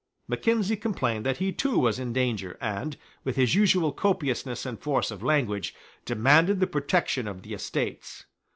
Mackenzie complained that he too was in danger, and, with his usual copiousness and force of language, demanded the protection of the Estates.